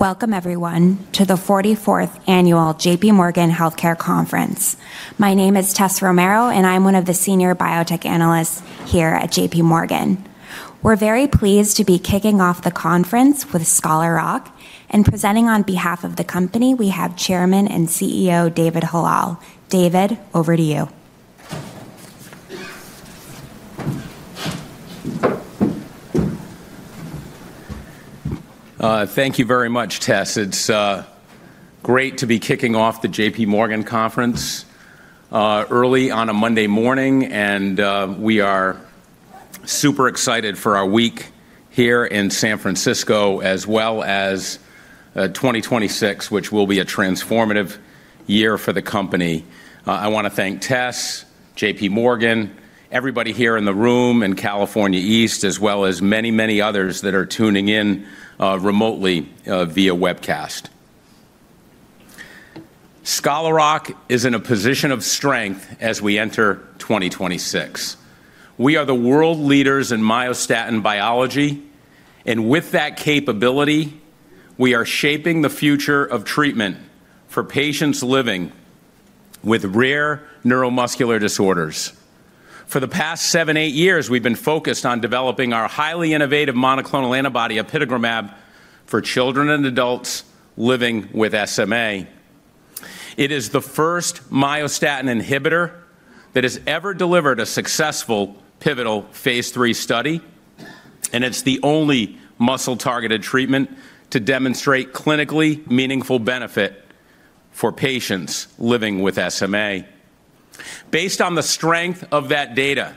Welcome, everyone, to the 44th Annual J.P. Morgan Healthcare Conference. My name is Tess Romero, and I'm one of the Senior Biotech Analysts here at J.P. Morgan. We're very pleased to be kicking off the conference with Scholar Rock, and presenting on behalf of the company, we have Chairman and CEO David Hallal. David, over to you. Thank you very much, Tess. It's great to be kicking off the J.P. Morgan Conference early on a Monday morning, and we are super excited for our week here in San Francisco, as well as 2026, which will be a transformative year for the company. I want to thank Tess, J.P. Morgan, everybody here in the room in California East, as well as many, many others that are tuning in remotely via webcast. Scholar Rock is in a position of strength as we enter 2026. We are the world leaders in myostatin biology, and with that capability, we are shaping the future of treatment for patients living with rare neuromuscular disorders. For the past seven, eight years, we've been focused on developing our highly innovative monoclonal antibody, apitegromab, for children and adults living with SMA. It is the first myostatin inhibitor that has ever delivered a successful pivotal phase III study, and it's the only muscle-targeted treatment to demonstrate clinically meaningful benefit for patients living with SMA. Based on the strength of that data,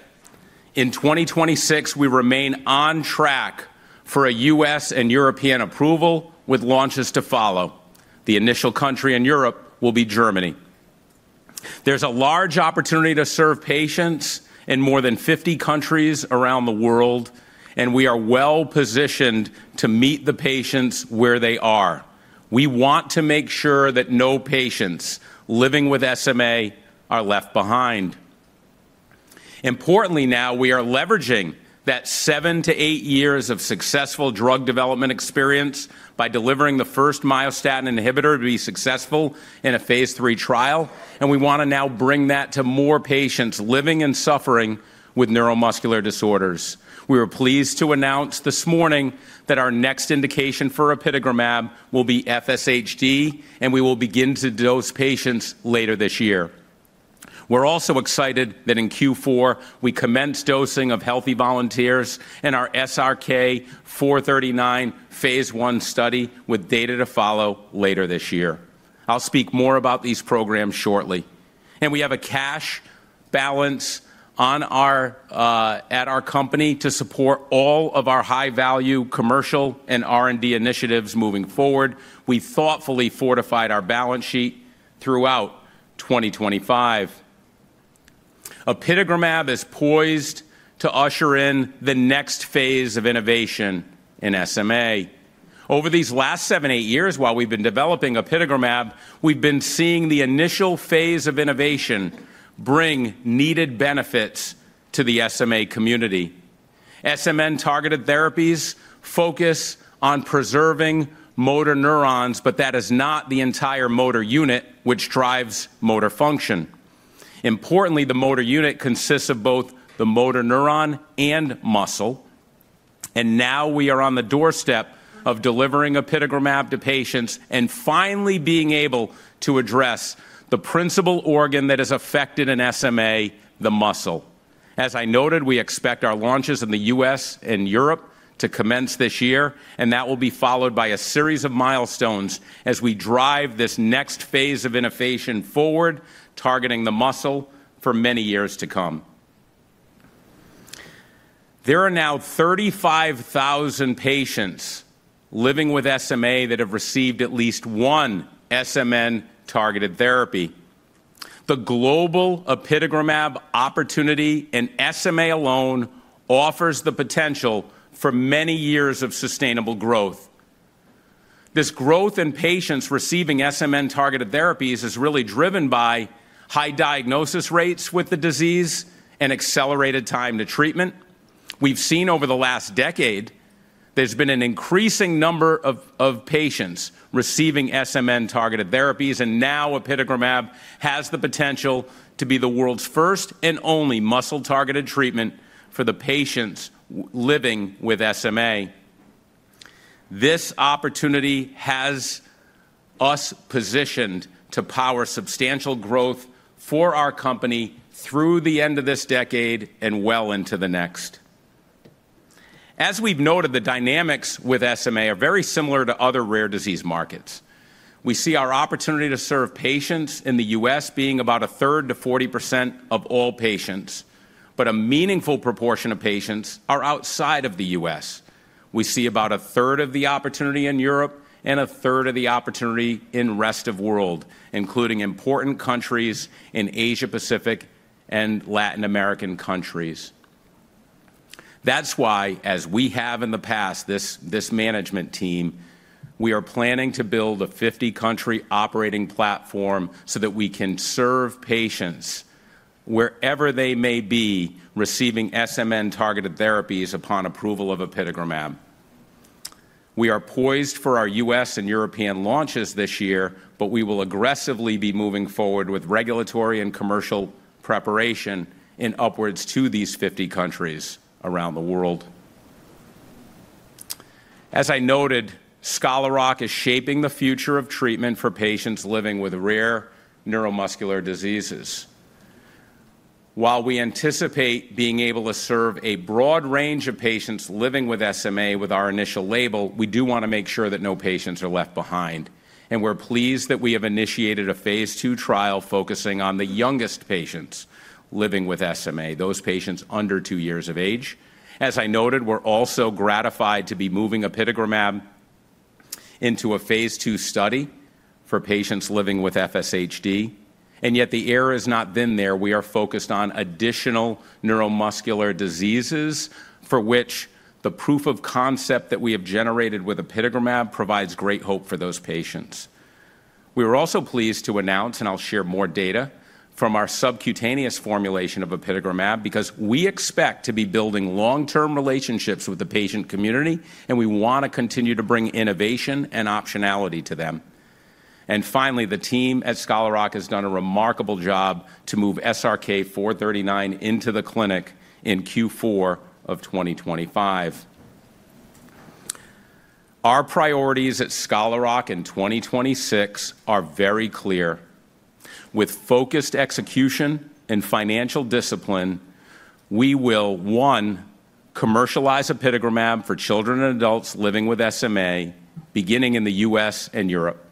in 2026, we remain on track for a U.S. and European approval, with launches to follow. The initial country in Europe will be Germany. There's a large opportunity to serve patients in more than 50 countries around the world, and we are well positioned to meet the patients where they are. We want to make sure that no patients living with SMA are left behind. Importantly now, we are leveraging that seven to eight years of successful drug development experience by delivering the first myostatin inhibitor to be successful in a phase III trial, and we want to now bring that to more patients living and suffering with neuromuscular disorders. We are pleased to announce this morning that our next indication for apitegromab will be FSHD, and we will begin to dose patients later this year. We're also excited that in Q4, we commence dosing of healthy volunteers and our SRK-439 phase I study, with data to follow later this year. I'll speak more about these programs shortly. And we have a cash balance at our company to support all of our high-value commercial and R&D initiatives moving forward. We thoughtfully fortified our balance sheet throughout 2025. Apitegromab is poised to usher in the next phase of innovation in SMA. Over these last seven, eight years, while we've been developing apitegromab, we've been seeing the initial phase of innovation bring needed benefits to the SMA community. SMN-targeted therapies focus on preserving motor neurons, but that is not the entire motor unit, which drives motor function. Importantly, the motor unit consists of both the motor neuron and muscle, and now we are on the doorstep of delivering apitegromab to patients and finally being able to address the principal organ that is affected in SMA, the muscle. As I noted, we expect our launches in the U.S. and Europe to commence this year, and that will be followed by a series of milestones as we drive this next phase of innovation forward, targeting the muscle for many years to come. There are now 35,000 patients living with SMA that have received at least one SMN-targeted therapy. The global apitegromab opportunity in SMA alone offers the potential for many years of sustainable growth. This growth in patients receiving SMN-targeted therapies is really driven by high diagnosis rates with the disease and accelerated time to treatment. We've seen over the last decade there's been an increasing number of patients receiving SMN-targeted therapies, and now apitegromab has the potential to be the world's first and only muscle-targeted treatment for the patients living with SMA. This opportunity has us positioned to power substantial growth for our company through the end of this decade and well into the next. As we've noted, the dynamics with SMA are very similar to other rare disease markets. We see our opportunity to serve patients in the U.S. being about a third to 40% of all patients, but a meaningful proportion of patients are outside of the U.S. We see about a third of the opportunity in Europe and a third of the opportunity in the rest of the world, including important countries in Asia-Pacific and Latin American countries. That's why, as we have in the past, this management team, we are planning to build a 50-country operating platform so that we can serve patients wherever they may be receiving SMN-targeted therapies upon approval of apitegromab. We are poised for our U.S. and European launches this year, but we will aggressively be moving forward with regulatory and commercial preparation in upwards to these 50 countries around the world. As I noted, Scholar Rock is shaping the future of treatment for patients living with rare neuromuscular diseases. While we anticipate being able to serve a broad range of patients living with SMA with our initial label, we do want to make sure that no patients are left behind, and we're pleased that we have initiated a phase II trial focusing on the youngest patients living with SMA, those patients under two years of age. As I noted, we're also gratified to be moving apitegromab into a phase II study for patients living with FSHD. And yet the era has not been there. We are focused on additional neuromuscular diseases for which the proof of concept that we have generated with apitegromab provides great hope for those patients. We are also pleased to announce, and I'll share more data, from our subcutaneous formulation of apitegromab, because we expect to be building long-term relationships with the patient community, and we want to continue to bring innovation and optionality to them. And finally, the team at Scholar Rock has done a remarkable job to move SRK-439 into the clinic in Q4 of 2025. Our priorities at Scholar Rock in 2026 are very clear. With focused execution and financial discipline, we will, one, commercialize apitegromab for children and adults living with SMA, beginning in the U.S. and Europe.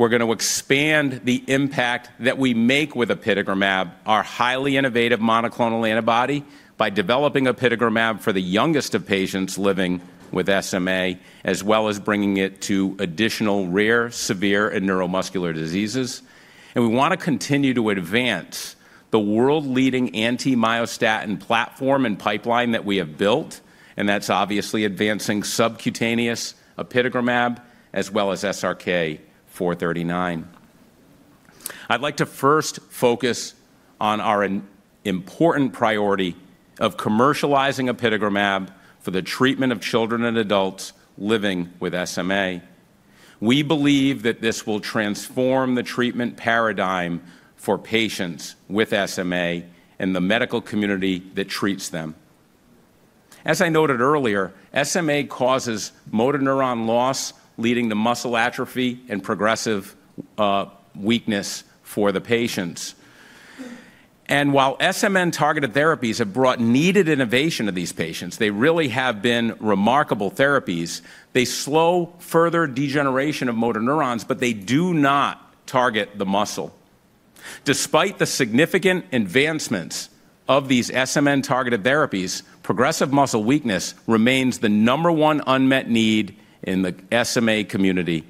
We're going to expand the impact that we make with apitegromab, our highly innovative monoclonal antibody, by developing apitegromab for the youngest of patients living with SMA, as well as bringing it to additional rare, severe, and neuromuscular diseases. And we want to continue to advance the world-leading anti-myostatin platform and pipeline that we have built, and that's obviously advancing subcutaneous apitegromab, as well as SRK-439. I'd like to first focus on our important priority of commercializing apitegromab for the treatment of children and adults living with SMA. We believe that this will transform the treatment paradigm for patients with SMA and the medical community that treats them. As I noted earlier, SMA causes motor neuron loss, leading to muscle atrophy and progressive weakness for the patients. And while SMN-targeted therapies have brought needed innovation to these patients, they really have been remarkable therapies. They slow further degeneration of motor neurons, but they do not target the muscle. Despite the significant advancements of these SMN-targeted therapies, progressive muscle weakness remains the number one unmet need in the SMA community,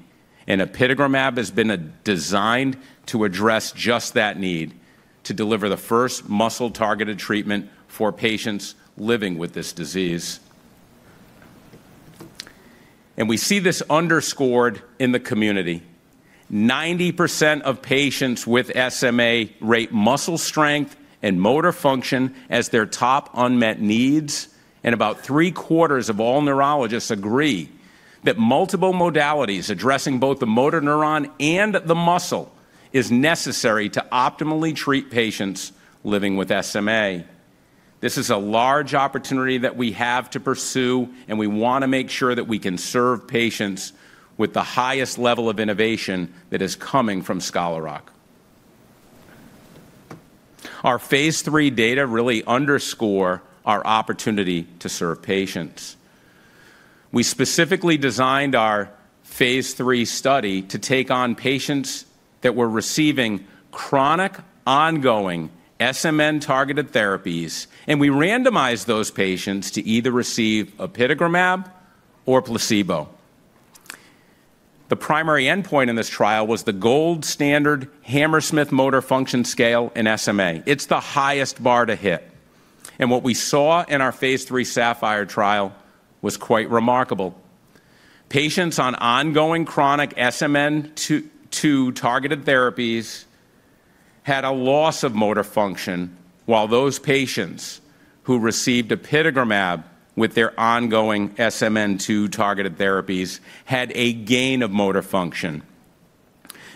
and apitegromab has been designed to address just that need to deliver the first muscle-targeted treatment for patients living with this disease. And we see this underscored in the community. 90% of patients with SMA rate muscle strength and motor function as their top unmet needs, and about three-quarters of all neurologists agree that multiple modalities addressing both the motor neuron and the muscle are necessary to optimally treat patients living with SMA. This is a large opportunity that we have to pursue, and we want to make sure that we can serve patients with the highest level of innovation that is coming from Scholar Rock. Our phase III data really underscore our opportunity to serve patients. We specifically designed our phase III study to take on patients that were receiving chronic ongoing SMN-targeted therapies, and we randomized those patients to either receive apitegromab or placebo. The primary endpoint in this trial was the gold standard Hammersmith Motor Function Scale in SMA. It's the highest bar to hit. And what we saw in our phase III SAPPHIRE trial was quite remarkable. Patients on ongoing chronic SMN-targeted therapies had a loss of motor function, while those patients who received apitegromab with their ongoing SMN-targeted therapies had a gain of motor function.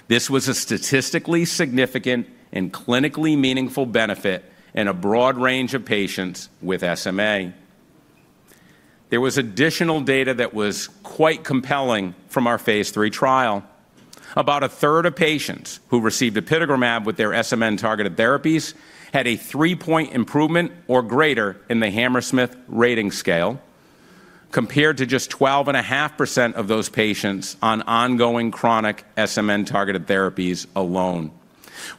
This was a statistically significant and clinically meaningful benefit in a broad range of patients with SMA. There was additional data that was quite compelling from our phase III trial. About a third of patients who received apitegromab with their SMN-targeted therapies had a three-point improvement or greater in the Hammersmith Motor Function Scale, compared to just 12.5% of those patients on ongoing chronic SMN-targeted therapies alone.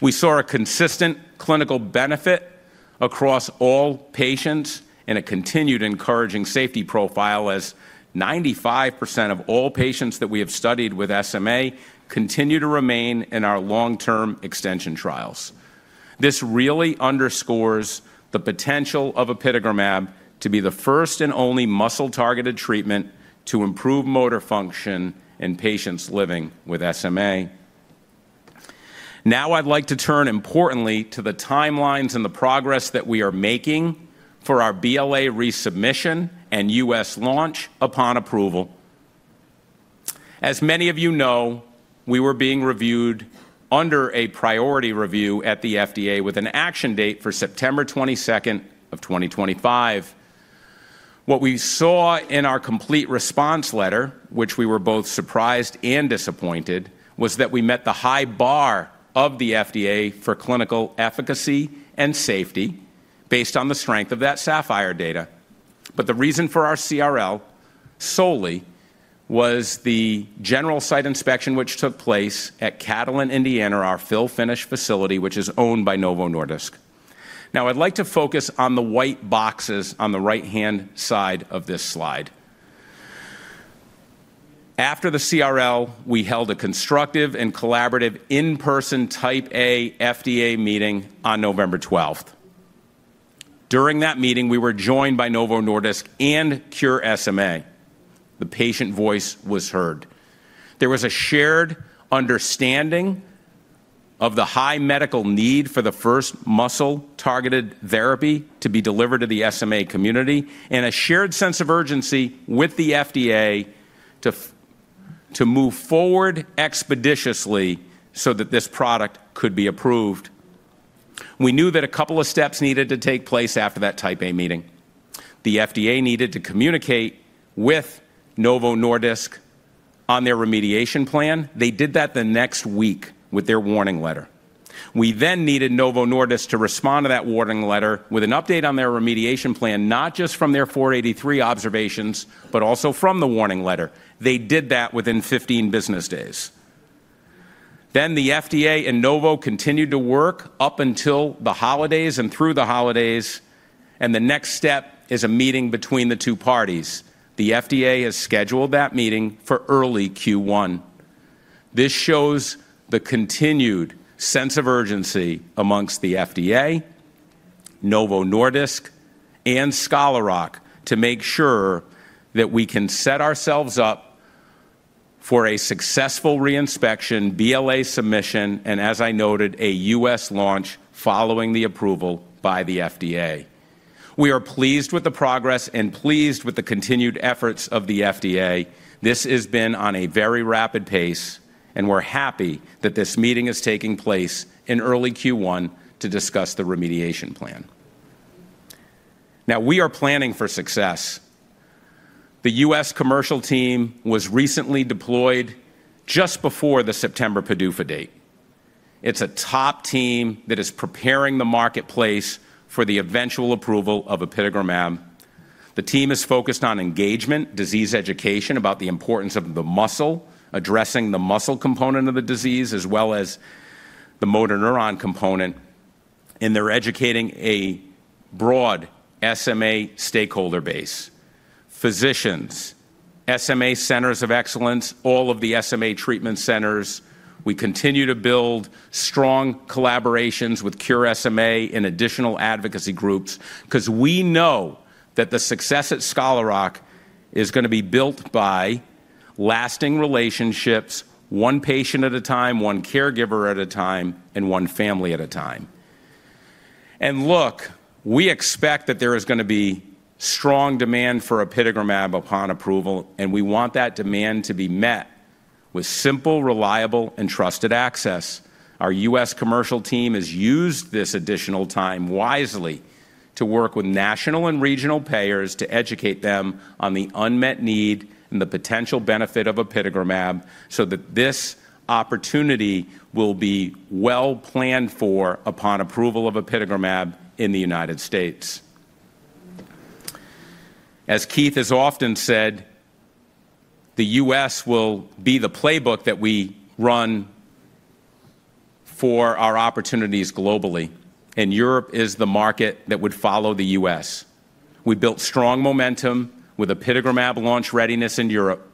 We saw a consistent clinical benefit across all patients and a continued encouraging safety profile as 95% of all patients that we have studied with SMA continue to remain in our long-term extension trials. This really underscores the potential of apitegromab to be the first and only muscle-targeted treatment to improve motor function in patients living with SMA. Now I'd like to turn importantly to the timelines and the progress that we are making for our BLA resubmission and U.S. launch upon approval. As many of you know, we were being reviewed under a priority review at the FDA with an action date for September 22nd of 2025. What we saw in our Complete Response Letter, which we were both surprised and disappointed, was that we met the high bar of the FDA for clinical efficacy and safety based on the strength of that SAPPHIRE data. But the reason for our CRL solely was the general site inspection which took place at Catalent, Indiana, our fill-finish facility, which is owned by Novo Nordisk. Now I'd like to focus on the white boxes on the right-hand side of this slide. After the CRL, we held a constructive and collaborative in-person Type A FDA meeting on November 12th. During that meeting, we were joined by Novo Nordisk and Cure SMA. The patient voice was heard. There was a shared understanding of the high medical need for the first muscle-targeted therapy to be delivered to the SMA community and a shared sense of urgency with the FDA to move forward expeditiously so that this product could be approved. We knew that a couple of steps needed to take place after that Type A meeting. The FDA needed to communicate with Novo Nordisk on their remediation plan. They did that the next week with their Warning Letter. We then needed Novo Nordisk to respond to that Warning Letter with an update on their remediation plan, not just from their 483 observations, but also from the Warning Letter. They did that within 15 business days. Then the FDA and Novo continued to work up until the holidays and through the holidays, and the next step is a meeting between the two parties. The FDA has scheduled that meeting for early Q1. This shows the continued sense of urgency amongst the FDA, Novo Nordisk, and Scholar Rock to make sure that we can set ourselves up for a successful reinspection, BLA submission, and as I noted, a U.S. launch following the approval by the FDA. We are pleased with the progress and pleased with the continued efforts of the FDA. This has been on a very rapid pace, and we're happy that this meeting is taking place in early Q1 to discuss the remediation plan. Now we are planning for success. The U.S. commercial team was recently deployed just before the September PDUFA date. It's a top team that is preparing the marketplace for the eventual approval of apitegromab. The team is focused on engagement, disease education about the importance of the muscle, addressing the muscle component of the disease, as well as the motor neuron component, and they're educating a broad SMA stakeholder base, physicians, SMA centers of excellence, all of the SMA treatment centers. We continue to build strong collaborations with Cure SMA and additional advocacy groups because we know that the success at Scholar Rock is going to be built by lasting relationships, one patient at a time, one caregiver at a time, and one family at a time, and look, we expect that there is going to be strong demand for apitegromab upon approval, and we want that demand to be met with simple, reliable, and trusted access. Our U.S. commercial team has used this additional time wisely to work with national and regional payers to educate them on the unmet need and the potential benefit of apitegromab so that this opportunity will be well planned for upon approval of apitegromab in the United States. As Keith has often said, the U.S. will be the playbook that we run for our opportunities globally, and Europe is the market that would follow the U.S. We built strong momentum with apitegromab launch readiness in Europe.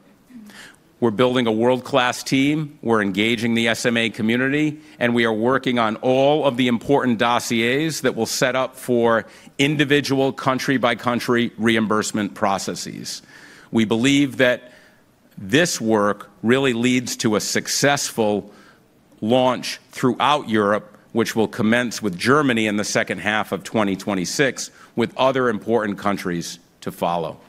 We're building a world-class team. We're engaging the SMA community, and we are working on all of the important dossiers that will set up for individual country-by-country reimbursement processes. We believe that this work really leads to a successful launch throughout Europe, which will commence with Germany in the second half of 2026, with other important countries to follow.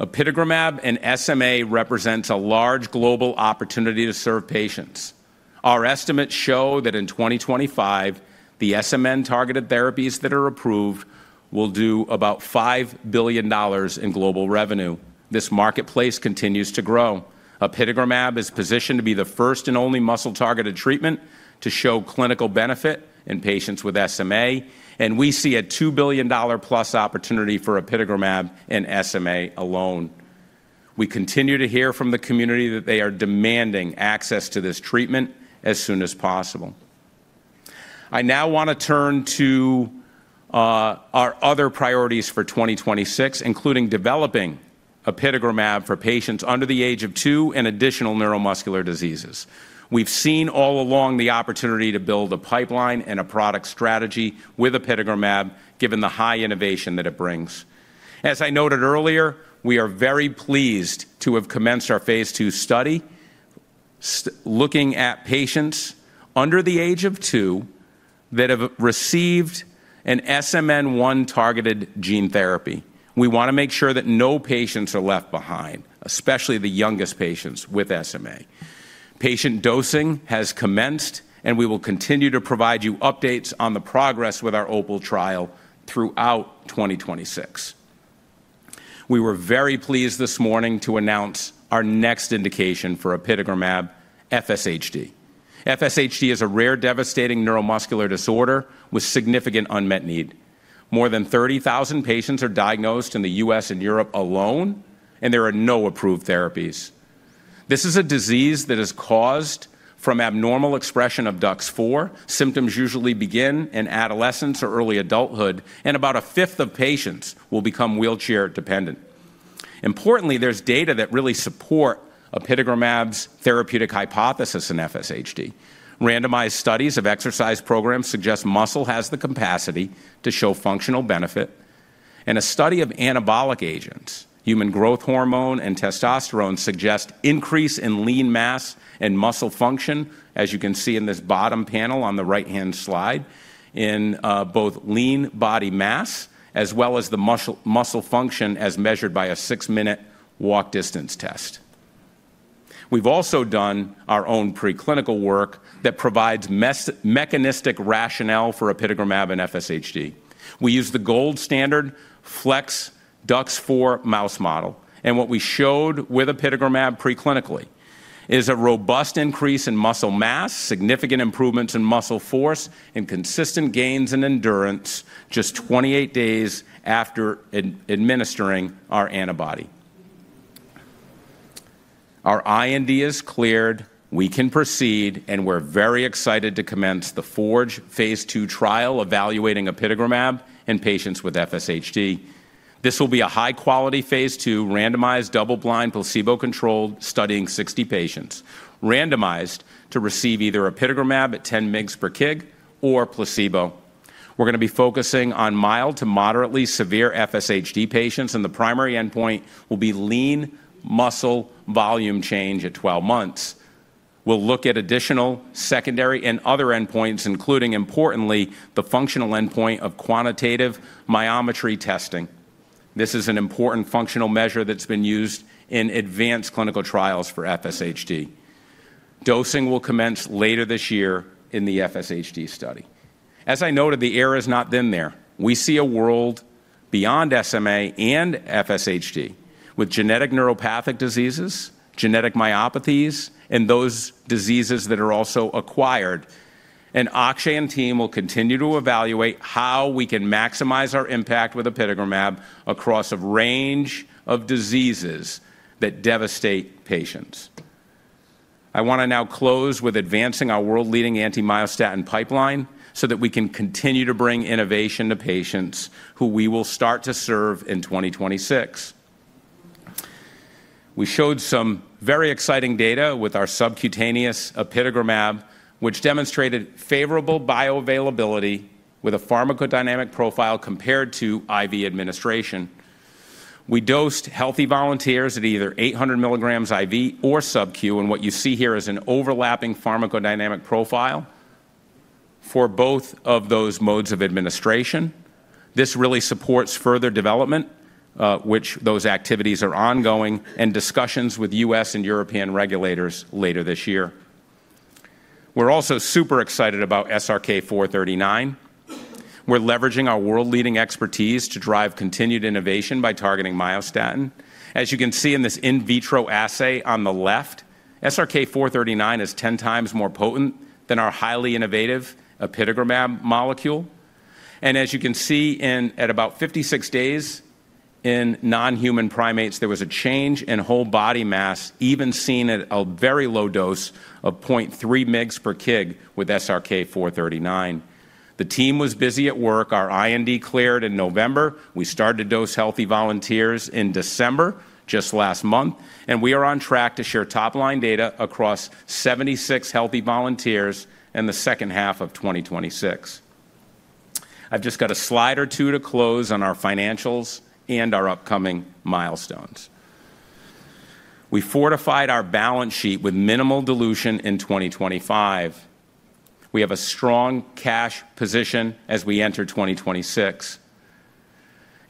Apitegromab and SMA represents a large global opportunity to serve patients. Our estimates show that in 2025, the SMN-targeted therapies that are approved will do about $5 billion in global revenue. This marketplace continues to grow. apitegromab is positioned to be the first and only muscle-targeted treatment to show clinical benefit in patients with SMA, and we see a $2 billion + opportunity for apitegromab and SMA alone. We continue to hear from the community that they are demanding access to this treatment as soon as possible. I now want to turn to our other priorities for 2026, including developing apitegromab for patients under the age of two and additional neuromuscular diseases. We've seen all along the opportunity to build a pipeline and a product strategy with apitegromab, given the high innovation that it brings. As I noted earlier, we are very pleased to have commenced our phase II study looking at patients under the age of two that have received an SMN-targeted gene therapy. We want to make sure that no patients are left behind, especially the youngest patients with SMA. Patient dosing has commenced, and we will continue to provide you updates on the progress with our OPAL trial throughout 2026. We were very pleased this morning to announce our next indication for apitegromab, FSHD. FSHD is a rare, devastating neuromuscular disorder with significant unmet need. More than 30,000 patients are diagnosed in the U.S. and Europe alone, and there are no approved therapies. This is a disease that is caused from abnormal expression of DUX4. Symptoms usually begin in adolescence or early adulthood, and about a fifth of patients will become wheelchair dependent. Importantly, there's data that really support apitegromab's therapeutic hypothesis in FSHD. Randomized studies of exercise programs suggest muscle has the capacity to show functional benefit, and a study of anabolic agents, human growth hormone and testosterone, suggests increase in lean mass and muscle function, as you can see in this bottom panel on the right-hand slide, in both lean body mass as well as the muscle function as measured by a six-minute walk distance test. We've also done our own preclinical work that provides mechanistic rationale for apitegromab and FSHD. We use the gold standard FLExDUX4 mouse model, and what we showed with apitegromab preclinically is a robust increase in muscle mass, significant improvements in muscle force, and consistent gains in endurance just 28 days after administering our antibody. Our IND is cleared. We can proceed, and we're very excited to commence the FORGE phase II trial evaluating apitegromab in patients with FSHD. This will be a high-quality phase II randomized double-blind placebo-controlled studying 60 patients, randomized to receive either apitegromab at 10 mg per kg or placebo. We're going to be focusing on mild to moderately severe FSHD patients, and the primary endpoint will be lean muscle volume change at 12 months. We'll look at additional secondary and other endpoints, including, importantly, the functional endpoint of quantitative myometry testing. This is an important functional measure that's been used in advanced clinical trials for FSHD. Dosing will commence later this year in the FSHD study. As I noted, the era is not then there. We see a world beyond SMA and FSHD with genetic neuropathic diseases, genetic myopathies, and those diseases that are also acquired. Akshay and team will continue to evaluate how we can maximize our impact with apitegromab across a range of diseases that devastate patients. I want to now close with advancing our world-leading anti-myostatin pipeline so that we can continue to bring innovation to patients who we will start to serve in 2026. We showed some very exciting data with our subcutaneous apitegromab, which demonstrated favorable bioavailability with a pharmacodynamic profile compared to IV administration. We dosed healthy volunteers at either 800 mg IV or subq, and what you see here is an overlapping pharmacodynamic profile for both of those modes of administration. This really supports further development, which those activities are ongoing, and discussions with U.S. and European regulators later this year. We're also super excited about SRK-439. We're leveraging our world-leading expertise to drive continued innovation by targeting myostatin. As you can see in this in vitro assay on the left, SRK-439 is 10x more potent than our highly innovative apitegromab molecule. And as you can see, at about 56 days in non-human primates, there was a change in whole body mass, even seen at a very low dose of 0.3 mg per kg with SRK-439. The team was busy at work. Our IND cleared in November. We started to dose healthy volunteers in December, just last month, and we are on track to share top-line data across 76 healthy volunteers in the second half of 2026. I've just got a slide or two to close on our financials and our upcoming milestones. We fortified our balance sheet with minimal dilution in 2025. We have a strong cash position as we enter 2026.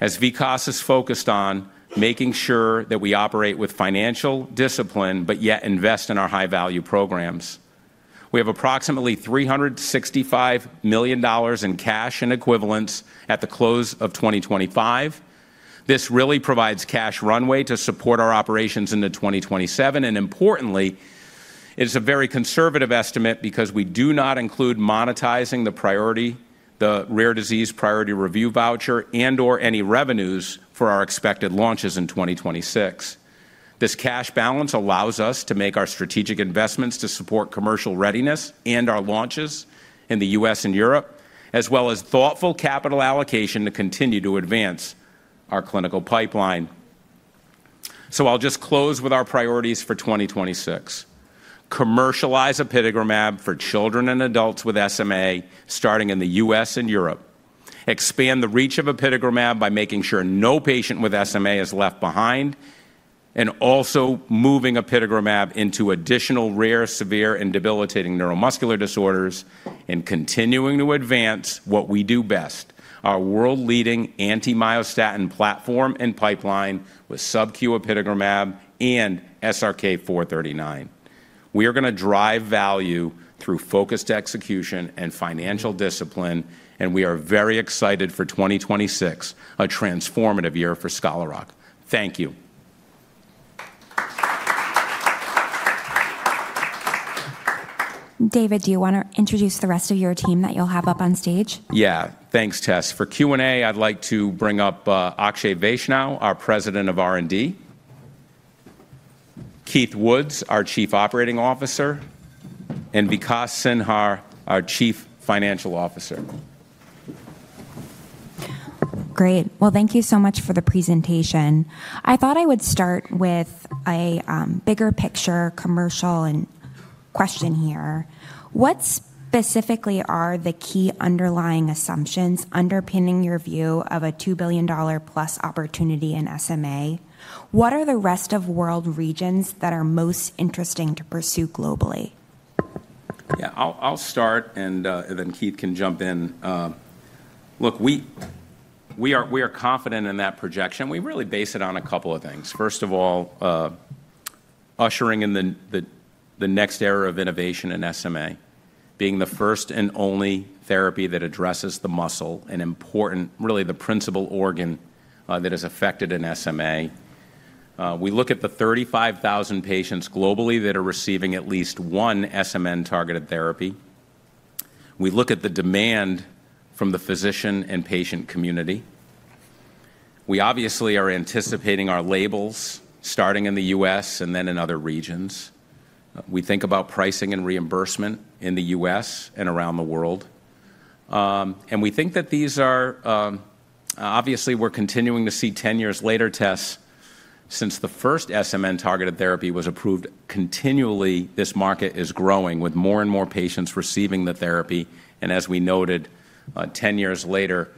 As Vikas is focused on making sure that we operate with financial discipline but yet invest in our high-value programs, we have approximately $365 million in cash and equivalents at the close of 2025. This really provides cash runway to support our operations into 2027, and importantly, it is a very conservative estimate because we do not include monetizing the priority, the rare disease priority review voucher, and/or any revenues for our expected launches in 2026. This cash balance allows us to make our strategic investments to support commercial readiness and our launches in the U.S. and Europe, as well as thoughtful capital allocation to continue to advance our clinical pipeline. So I'll just close with our priorities for 2026. Commercialize apitegromab for children and adults with SMA starting in the U.S. and Europe. Expand the reach of apitegromab by making sure no patient with SMA is left behind, and also moving apitegromab into additional rare, severe, and debilitating neuromuscular disorders and continuing to advance what we do best, our world-leading anti-myostatin platform and pipeline with subq apitegromab and SRK-439. We are going to drive value through focused execution and financial discipline, and we are very excited for 2026, a transformative year for Scholar Rock. Thank you. David, do you want to introduce the rest of your team that you'll have up on stage? Yeah. Thanks, Tess. For Q&A, I'd like to bring up Akshay Vaishnaw, our President of R&D, Keith Woods, our Chief Operating Officer, and Vikas Sinha, our Chief Financial Officer. Great. Well, thank you so much for the presentation. I thought I would start with a bigger picture commercial and question here. What specifically are the key underlying assumptions underpinning your view of a $2 billion + opportunity in SMA? What are the rest of world regions that are most interesting to pursue globally? Yeah, I'll start, and then Keith can jump in. Look, we are confident in that projection. We really base it on a couple of things. First of all, ushering in the next era of innovation in SMA, being the first and only therapy that addresses the muscle, an important, really the principal organ that is affected in SMA. We look at the 35,000 patients globally that are receiving at least one SMN-targeted therapy. We look at the demand from the physician and patient community. We obviously are anticipating our labels starting in the U.S. and then in other regions. We think about pricing and reimbursement in the U.S. and around the world. We think that these are obviously, we're continuing to see 10 years later, Tess, since the first SMN-targeted therapy was approved. Continually, this market is growing with more and more patients receiving the therapy. As we noted, 10 years later,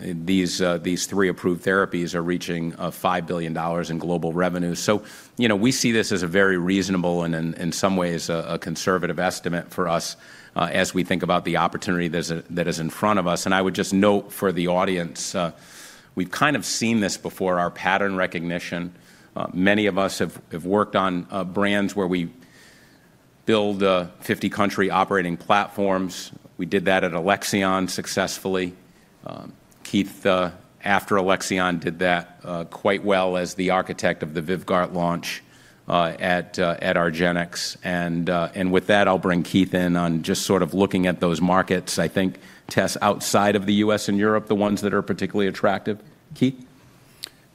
these three approved therapies are reaching $5 billion in global revenue. We see this as a very reasonable and, in some ways, a conservative estimate for us as we think about the opportunity that is in front of us. I would just note for the audience, we've kind of seen this before, our pattern recognition. Many of us have worked on brands where we build 50-country operating platforms. We did that at Alexion successfully. Keith, after Alexion, did that quite well as the architect of the Vyvgart launch at Argenx. And with that, I'll bring Keith in on just sort of looking at those markets, I think, Tess, outside of the U.S. and Europe, the ones that are particularly attractive. Keith?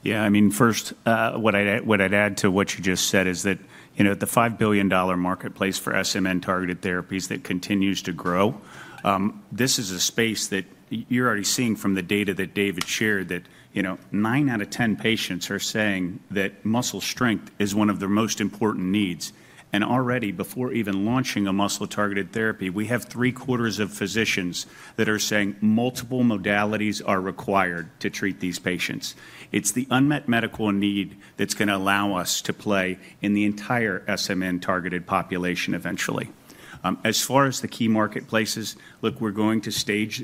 Yeah, I mean, first, what I'd add to what you just said is that the $5 billion marketplace for SMN-targeted therapies that continues to grow, this is a space that you're already seeing from the data that David shared that 9 out of 10 patients are saying that muscle strength is one of their most important needs. And already, before even launching a muscle-targeted therapy, we have three-quarters of physicians that are saying multiple modalities are required to treat these patients. It's the unmet medical need that's going to allow us to play in the entire SMN-targeted population eventually. As far as the key marketplaces, look, we're going to stage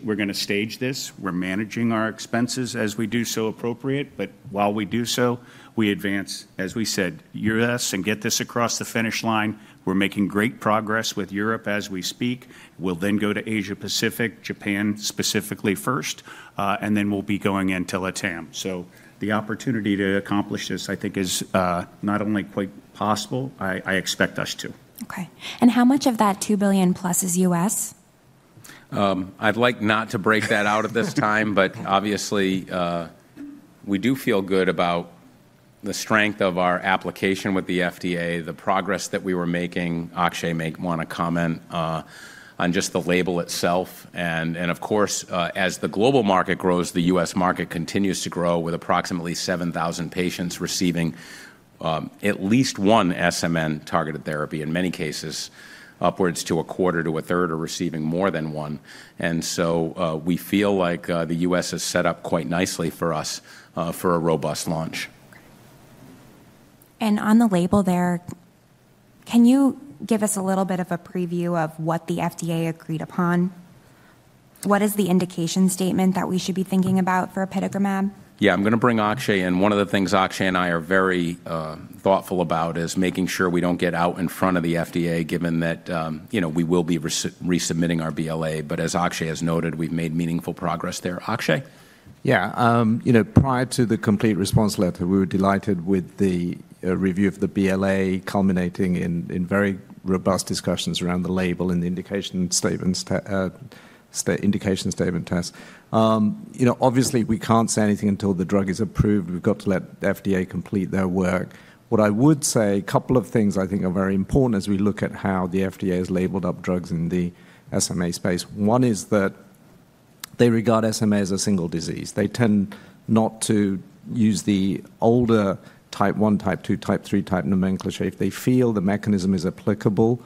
this. We're managing our expenses as we do so appropriate, but while we do so, we advance, as we said, U.S. and get this across the finish line. We're making great progress with Europe as we speak. We'll then go to Asia-Pacific, Japan specifically first, and then we'll be going into LatAm. So the opportunity to accomplish this, I think, is not only quite possible, I expect us to. Okay. And how much of that $2 billion + is U.S.? I'd like not to break that out at this time, but obviously, we do feel good about the strength of our application with the FDA, the progress that we were making. Akshay may want to comment on just the label itself. And of course, as the global market grows, the U.S. market continues to grow with approximately 7,000 patients receiving at least one SMN-targeted therapy. In many cases, upwards to a quarter to a third are receiving more than one. And so we feel like the U.S. has set up quite nicely for us for a robust launch. And on the label there, can you give us a little bit of a preview of what the FDA agreed upon? What is the indication statement that we should be thinking about for apitegromab? Yeah, I'm going to bring Akshay in. One of the things Akshay and I are very thoughtful about is making sure we don't get out in front of the FDA, given that we will be resubmitting our BLA. But as Akshay has noted, we've made meaningful progress there. Akshay? Yeah. Prior to the Complete Response Letter, we were delighted with the review of the BLA culminating in very robust discussions around the label and the indication statement, Tess. Obviously, we can't say anything until the drug is approved. We've got to let the FDA complete their work. What I would say, a couple of things I think are very important as we look at how the FDA has labeled up drugs in the SMA space. One is that they regard SMA as a single disease. They tend not to use the older Type 1, Type 2, Type 3 type nomenclature. If they feel the mechanism is applicable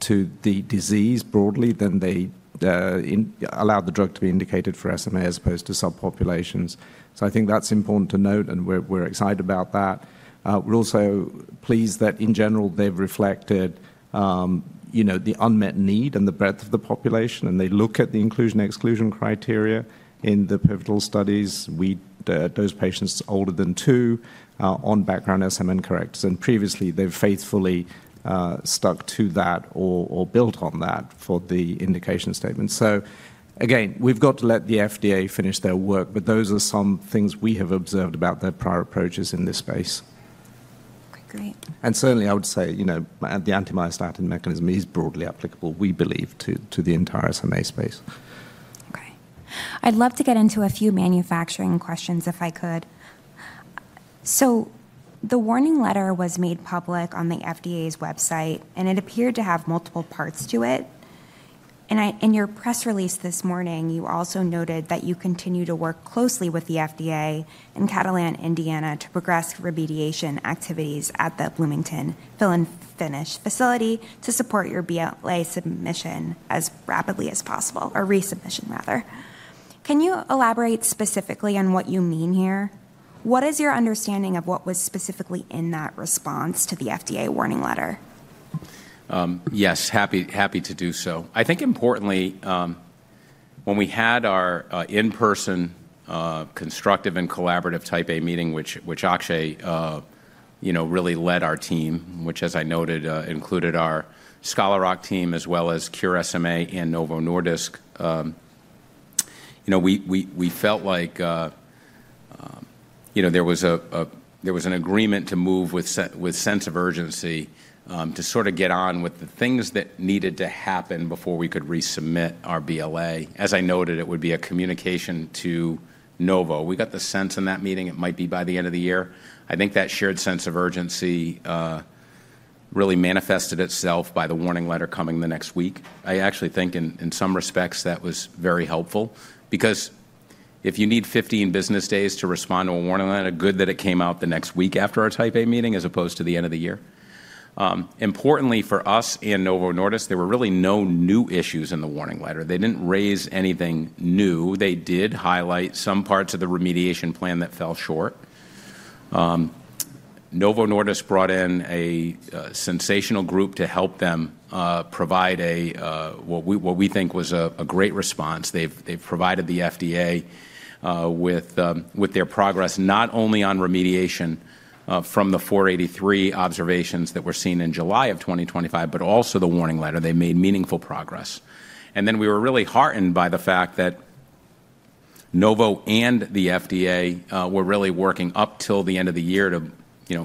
to the disease broadly, then they allow the drug to be indicated for SMA as opposed to subpopulations. So I think that's important to note, and we're excited about that. We're also pleased that, in general, they've reflected the unmet need and the breadth of the population, and they look at the inclusion-exclusion criteria in the pivotal studies, those patients older than 2, on background SMN correctors. And previously, they've faithfully stuck to that or built on that for the indication statement. So again, we've got to let the FDA finish their work, but those are some things we have observed about their prior approaches in this space. And certainly, I would say the anti-myostatin mechanism is broadly applicable, we believe, to the entire SMA space. Okay. I'd love to get into a few manufacturing questions if I could. So the Warning Letter was made public on the FDA's website, and it appeared to have multiple parts to it. In your press release this morning, you also noted that you continue to work closely with the FDA in Catalent, Indiana, to progress remediation activities at the Bloomington fill-finish facility to support your BLA submission as rapidly as possible, or resubmission, rather. Can you elaborate specifically on what you mean here? What is your understanding of what was specifically in that response to the FDA warning letter? Yes, happy to do so. I think importantly, when we had our in-person constructive and collaborative type A meeting, which Akshay really led our team, which, as I noted, included our Scholar Rock team as well as Cure SMA and Novo Nordisk, we felt like there was an agreement to move with a sense of urgency to sort of get on with the things that needed to happen before we could resubmit our BLA. As I noted, it would be a communication to Novo. We got the sense in that meeting it might be by the end of the year. I think that shared sense of urgency really manifested itself by the warning letter coming the next week. I actually think in some respects that was very helpful because if you need 15 business days to respond to a warning letter, good that it came out the next week after our Type A meeting as opposed to the end of the year. Importantly for us and Novo Nordisk, there were really no new issues in the warning letter. They didn't raise anything new. They did highlight some parts of the remediation plan that fell short. Novo Nordisk brought in a sensational group to help them provide what we think was a great response. They've provided the FDA with their progress, not only on remediation from the 483 observations that were seen in July of 2025, but also the warning letter. They made meaningful progress. And then we were really heartened by the fact that Novo and the FDA were really working up till the end of the year to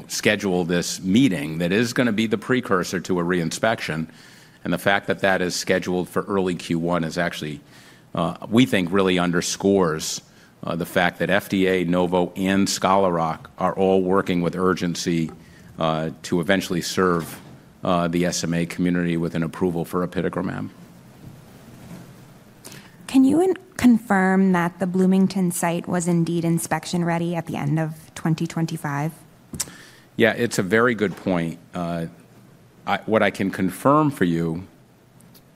schedule this meeting that is going to be the precursor to a reinspection. And the fact that that is scheduled for early Q1 is actually, we think, really underscores the fact that FDA, Novo, and Scholar Rock are all working with urgency to eventually serve the SMA community with an approval for apitegromab. Can you confirm that the Bloomington site was indeed inspection-ready at the end of 2025? Yeah, it's a very good point. What I can confirm for you,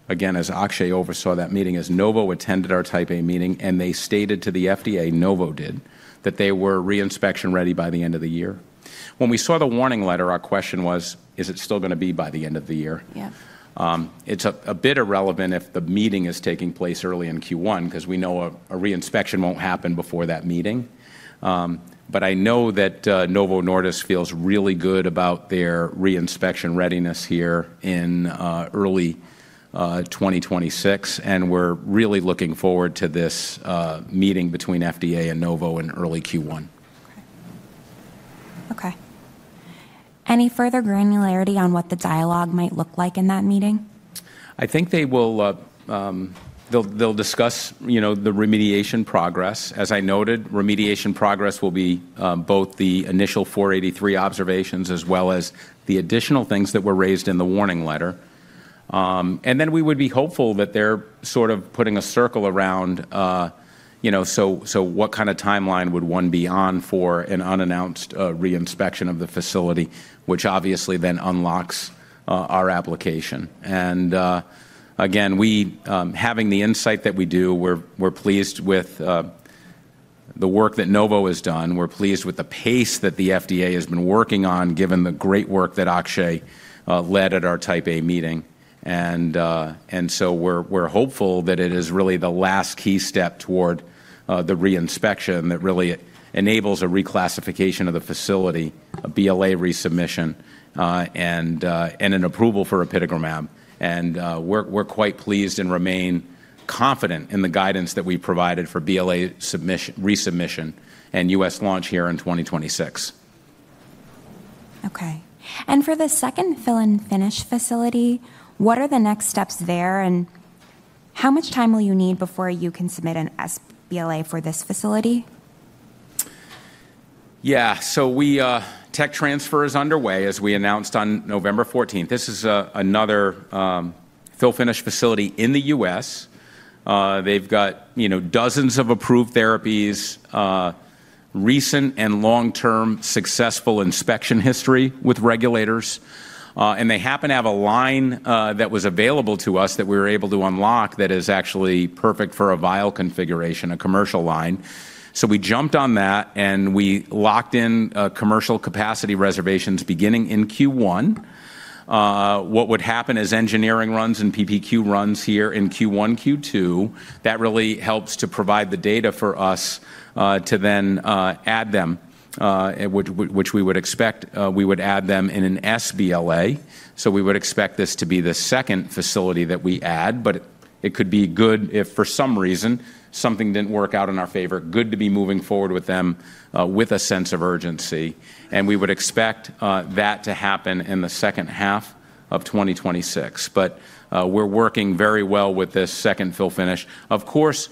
again, as Akshay oversaw that meeting, is Novo attended our Type A meeting, and they stated to the FDA, Novo did, that they were reinspection-ready by the end of the year. When we saw the Warning Letter, our question was, is it still going to be by the end of the year? It's a bit irrelevant if the meeting is taking place early in Q1 because we know a reinspection won't happen before that meeting. But I know that Novo Nordisk feels really good about their reinspection readiness here in early 2026, and we're really looking forward to this meeting between FDA and Novo in early Q1. Okay. Any further granularity on what the dialogue might look like in that meeting? I think they'll discuss the remediation progress. As I noted, remediation progress will be both the initial 483 observations as well as the additional things that were raised in the Warning Letter, and then we would be hopeful that they're sort of putting a circle around, so what kind of timeline would one be on for an unannounced reinspection of the facility, which obviously then unlocks our application, and again, having the insight that we do, we're pleased with the work that Novo has done. We're pleased with the pace that the FDA has been working on, given the great work that Akshay led at our Type A meeting, and so we're hopeful that it is really the last key step toward the reinspection that really enables a reclassification of the facility, a BLA resubmission, and an approval for apitegromab. We're quite pleased and remain confident in the guidance that we provided for BLA resubmission and U.S. launch here in 2026. Okay. For the second fill-finish facility, what are the next steps there, and how much time will you need before you can submit an sBLA for this facility? Yeah, so tech transfer is underway, as we announced on November 14th. This is another fill-finish facility in the U.S. They've got dozens of approved therapies, recent and long-term successful inspection history with regulators. They happen to have a line that was available to us that we were able to unlock that is actually perfect for a vial configuration, a commercial line. We jumped on that, and we locked in commercial capacity reservations beginning in Q1. What would happen is engineering runs and PPQ runs here in Q1, Q2. That really helps to provide the data for us to then add them, which we would expect we would add them in an sBLA, so we would expect this to be the second facility that we add, but it could be good if for some reason something didn't work out in our favor, good to be moving forward with them with a sense of urgency, and we would expect that to happen in the second half of 2026, but we're working very well with this second fill-finish. Of course,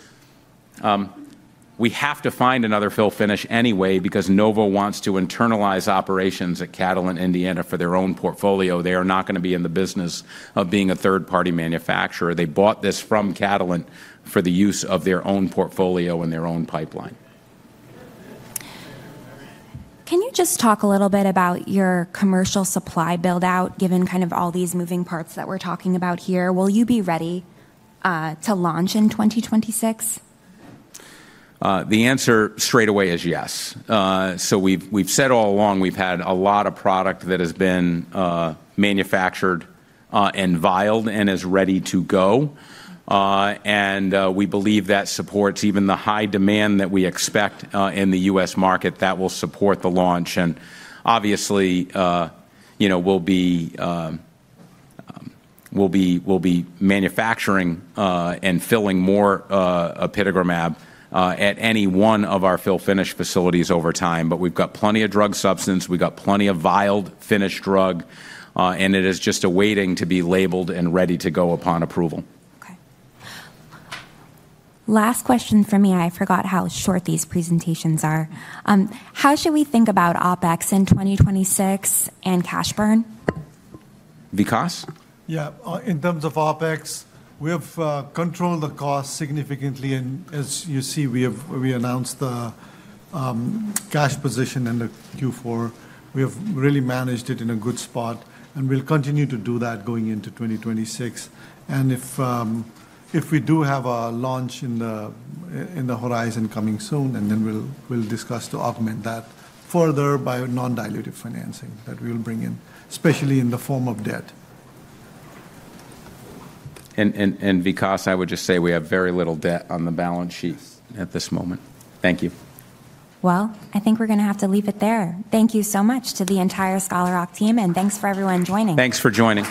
we have to find another fill-finish anyway because Novo wants to internalize operations at Catalent, Indiana, for their own portfolio. They are not going to be in the business of being a third-party manufacturer. They bought this from Catalent for the use of their own portfolio and their own pipeline. Can you just talk a little bit about your commercial supply build-out, given kind of all these moving parts that we're talking about here? Will you be ready to launch in 2026? The answer straight away is yes. So we've said all along we've had a lot of product that has been manufactured and vialed and is ready to go. And we believe that supports even the high demand that we expect in the U.S. market that will support the launch. And obviously, we'll be manufacturing and filling more apitegromab at any one of our fill-finish facilities over time. But we've got plenty of drug substance. We've got plenty of vialed finished drug, and it is just awaiting to be labeled and ready to go upon approval. Okay. Last question for me. I forgot how short these presentations are. How should we think about OpEx in 2026 and cash burn? Vikas? Yeah. In terms of OpEx, we have controlled the cost significantly. And as you see, we announced the cash position in Q4. We have really managed it in a good spot, and we'll continue to do that going into 2026. And if we do have a launch in the horizon coming soon, then we'll discuss to augment that further by non-dilutive financing that we will bring in, especially in the form of debt. And Vikas, I would just say we have very little debt on the balance sheet at this moment. Thank you. Well, I think we're going to have to leave it there. Thank you so much to the entire Scholar Rock team, and thanks for everyone joining. Thanks for joining.